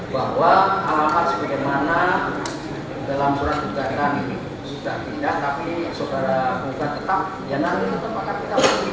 bahwa alamat seperti mana dalam surat percatatan ini sudah tidak tapi saudara pendukat tetap yang nanti